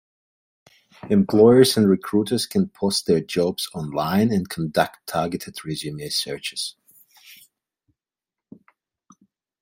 Employers and recruiters can post their jobs online and conduct targeted resume searches.